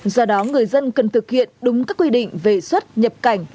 do đó người dân cần thực hiện đúng các quy định về xuất nhập cảnh